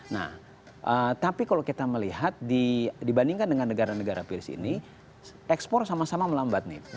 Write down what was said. nah tapi kalau kita melihat dibandingkan dengan negara negara peers ini ekspor sama sama melambat nih